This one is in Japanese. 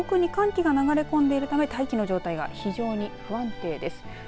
この北海道、上空に寒気が流れ込んでいるため大気の状態が非常に不安定です。